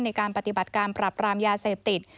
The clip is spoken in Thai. ในการปฏิบัติการปรับรามยาเสพติด